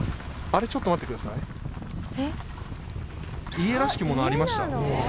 家らしきものありました。